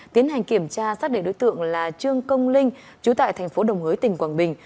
tiến hành kiểm tra xác định đối tượng là trương công linh chú tại thành phố đồng hới tỉnh quảng bình